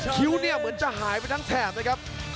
คิ้วเนี่ยเหมือนจะหายไปทั้งแถบนะครับ